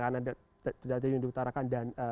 kita tidak diutarakan data